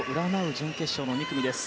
準決勝の２組です。